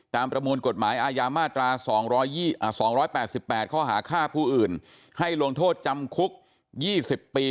ประมวลกฎหมายอาญามาตรา๒๘๘ข้อหาฆ่าผู้อื่นให้ลงโทษจำคุก๒๐ปี